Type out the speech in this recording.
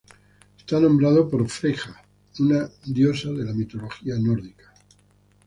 Está nombrado por Freyja, una diosa de la mitología nórdica.